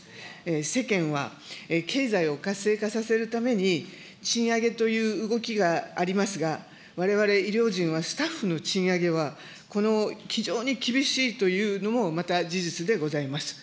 世間は経済を活性化させるために、賃上げという動きがありますが、われわれ、医療人はスタッフの賃上げは、この非常に厳しいというのもまた事実でございます。